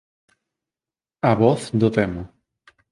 A voz do demo